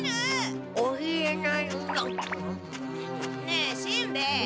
ねえしんべヱ！